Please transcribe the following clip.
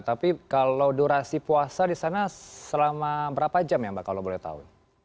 tapi kalau durasi puasa di sana selama berapa jam ya mbak kalau boleh tahu